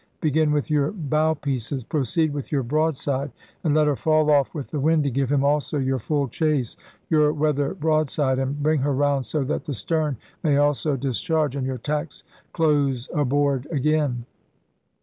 Begin with your bow pieces, proceed with yoiu broad side, and let her fall off with the wind to give him also your full chase, your weather broad side, and bring her round so that the stern may also dis charge, and your tacks close aboard again!'